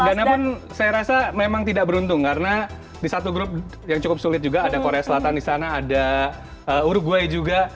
dan namun saya rasa memang tidak beruntung karena di satu grup yang cukup sulit juga ada korea selatan di sana ada uruguay juga